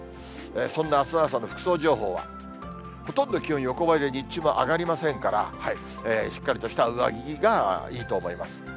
そんなあす朝の服装情報は、ほとんど気温横ばいで、日中は上がりませんから、しっかりとした上着がいいと思います。